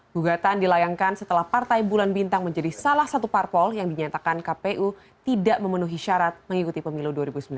gugatan dilayangkan setelah partai bulan bintang menjadi salah satu parpol yang dinyatakan kpu tidak memenuhi syarat mengikuti pemilu dua ribu sembilan belas